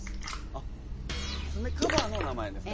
あっ爪カバーの名前ですか。